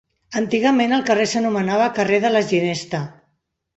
Antigament el carrer s'anomenava carrer de la Ginesta.